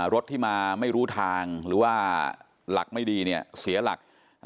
รถที่มาไม่รู้ทางหรือว่าหลักไม่ดีเนี่ยเสียหลัก